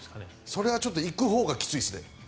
それはちょっといくほうがきついですね。